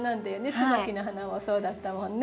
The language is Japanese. ツバキの花もそうだったもんね。